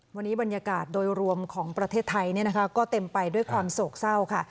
วันนี้บรรยากาศโดยรวมของประเทศไทยก็เต็มไปด้วยความโศกเศร้าค่ะ